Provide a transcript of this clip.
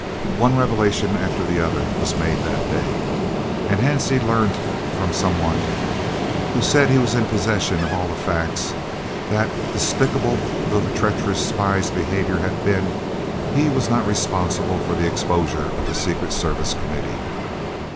One revelation after the other was made that day, and Hansie learnt from some one, who said he was in possession of all the facts, that, despicable though the treacherous spy's behaviour had been, he was not responsible for the exposure of the Secret Service Committee.